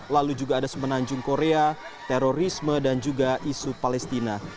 lalu juga ada semenanjung korea terorisme dan juga isu palestina